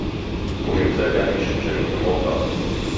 הוא נמצא כאן משום שאני כמוך